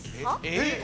えっ？